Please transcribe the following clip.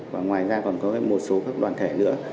và ngoài ra còn có một số các đoàn thể nữa